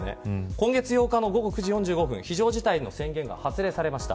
今月８日の午後９時４５分非常事態宣言が発令されました。